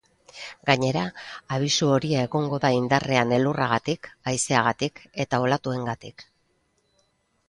Gainera, abisu horia egongo da indarrean elurragatik, haizeagatik eta olatuengatik.